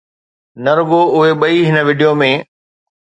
نه رڳو اهي ٻئي هن وڊيو ۾